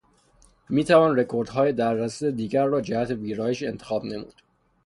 می توان رکوردهای در دسترس دیگر را جهت ویرایش انتخاب نمود.